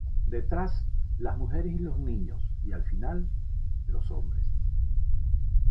Detrás, las mujeres y los niños y al final, los hombres.